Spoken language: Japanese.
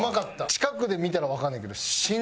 近くで見たらわかんねんけど多分。